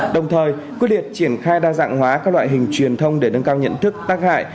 đồng thời quyết liệt triển khai đa dạng hóa các loại hình truyền thông để nâng cao nhận thức tác hại